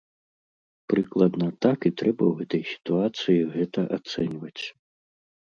Прыкладна так і трэба ў гэтай сітуацыі гэта ацэньваць.